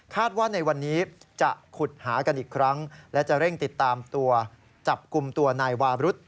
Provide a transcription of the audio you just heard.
ว่าในวันนี้จะขุดหากันอีกครั้งและจะเร่งติดตามตัวจับกลุ่มตัวนายวารุธ